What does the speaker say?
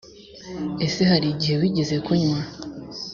ese hari igihe wigeze kunywa